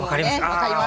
分かります。